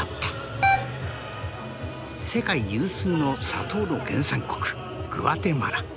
世界有数の砂糖の原産国グアテマラ。